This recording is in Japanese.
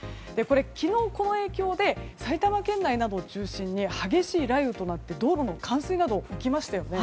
昨日、この影響で埼玉県内などを中心に激しい雷雨となって道路の冠水などが起きましたよね。